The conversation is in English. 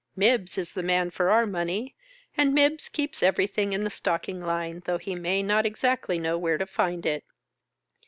Mibbs is the man for our money, and Mibbs keeps everything in the stocking line, though he may not ex actly know where to find it.